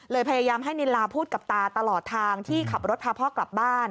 พยายามให้นิลาพูดกับตาตลอดทางที่ขับรถพาพ่อกลับบ้าน